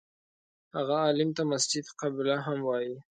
هغه عالم ته مسجد قبله هم وایي.